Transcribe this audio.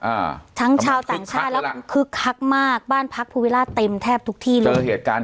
อ่าทั้งชาวต่างชาติแล้วก็คึกคักมากบ้านพักภูวิราชเต็มแทบทุกที่เลยเจอเหตุการณ์